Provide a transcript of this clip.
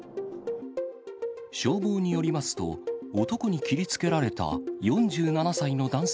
消防によりますと、男に切りつけられた４７歳の男性